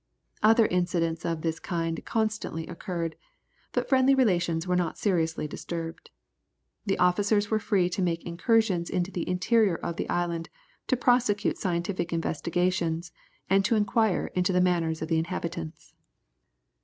Other incidents of this kind constantly occurred, but friendly relations were not seriously disturbed. The officers were free to make incursions into the interior of the island to prosecute scientific investigations, and to inquire into the manners of the inhabitants.